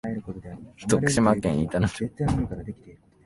徳島県板野町